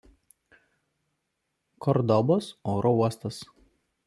Kordobos oro uostas.